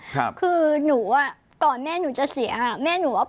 ครับคือหนูอ่ะก่อนแม่หนูจะเสียอ่ะแม่หนูอ่ะ